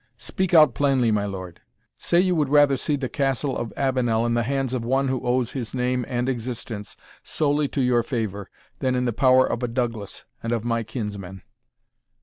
Speak out plainly, my lord; say you would rather see the Castle of Avenel in the hands of one who owes his name and existence solely to your favour, than in the power of a Douglas, and of my kinsman."